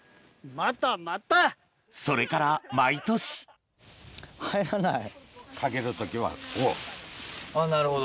それから毎年あっなるほど。